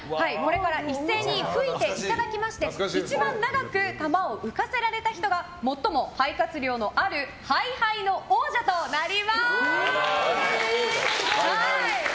一斉に吹いていただきまして一番長く球を浮かせられた人が最も肺活量のある肺杯の王者となります。